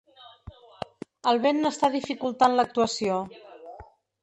El vent n’està dificultant l’actuació.